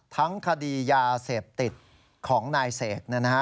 ทั้งคดียาเสพติดของนายเสก